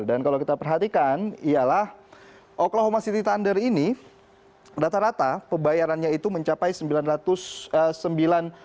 dan kalau kita perhatikan ialah oklahoma city thunder ini rata rata pebayarannya itu mencapai rp